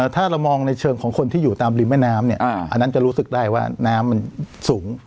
ถ้าเรามองในเชิงของคนที่อยู่ตามริมแม่น้ำเนี่ยอันนั้นจะรู้สึกได้ว่าน้ำมันสูง